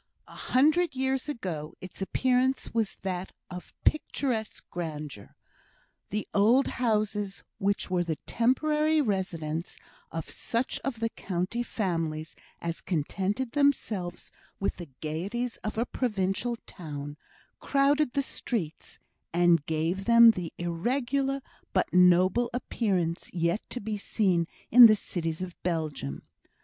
A hundred years ago its appearance was that of picturesque grandeur. The old houses, which were the temporary residences of such of the county families as contented themselves with the gaieties of a provincial town, crowded the streets and gave them the irregular but noble appearance yet to be seen in the cities of Belgium.